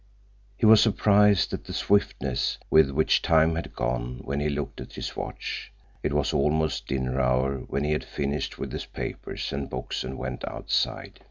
He was surprised at the swiftness with which time had gone, when he looked at his watch. It was almost dinner hour when he had finished with his papers and books and went outside.